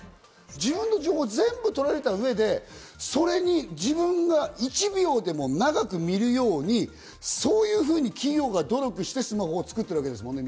自分の情報を全部取られた上で自分が１秒でも長く見るように、そういうふうに企業は努力してスマホを作ってるわけですもんね。